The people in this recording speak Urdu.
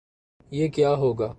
یہ کیا ہو گا؟